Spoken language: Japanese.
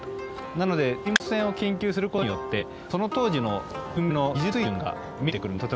なので沈没船を研究することによってその当時の文明の技術水準が見えてくるんですね。